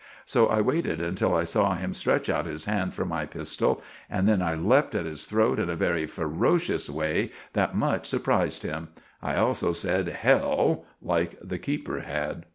So I waited untill I saw him stretch out his hand for my pistell, and then I leapt at his throat in a very ferocious way, that much surprized him. I also sed "Hell!" like the keeper had.